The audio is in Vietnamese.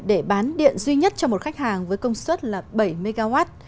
để bán điện duy nhất cho một khách hàng với công suất là bảy mw